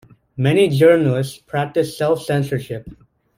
Many journalists practice self-censorship.